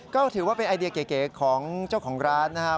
ก็ถือว่าเป็นไอเดียเก๋ของเจ้าของร้านนะครับ